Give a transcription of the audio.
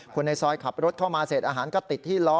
คนในซอยขับรถเข้ามาเสร็จอาหารก็ติดที่ล้อ